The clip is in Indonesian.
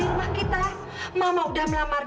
rumah kita mama udah melamar